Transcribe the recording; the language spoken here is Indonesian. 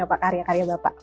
bapak karya karya bapak